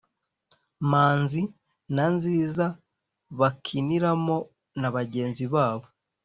manzi na nziza bakiniramo na bagenzi babo.